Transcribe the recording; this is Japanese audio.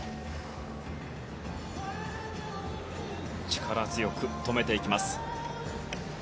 力強く止めていきます。